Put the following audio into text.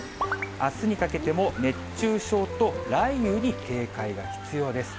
あすにかけても熱中症と雷雨に警戒が必要です。